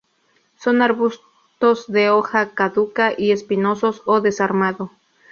Son arbustos de hoja caduca y espinosos o desarmado.